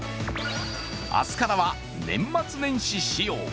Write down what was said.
明日からは年末年始仕様。